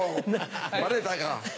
バレたか。